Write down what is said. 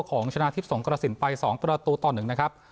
ของชนะทิพย์สงกระสินไป๒ประตูต่อ๑นะครับ